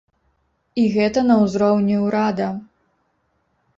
І гэта на ўзроўні ўрада.